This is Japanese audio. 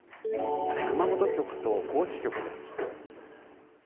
熊本局と高知局です。